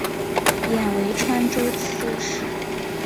贬为川州刺史。